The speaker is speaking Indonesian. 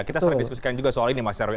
kita sering diskusikan juga soal ini mas herwi